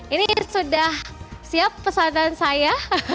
ini sudah siap pesanan saya